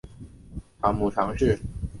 母常氏。